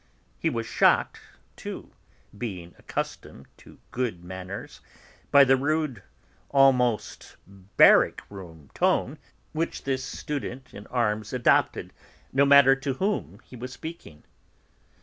He was shocked, too, being accustomed to good manners, by the rude, almost barrack room tone which this student in arms adopted, no matter to whom he was speaking.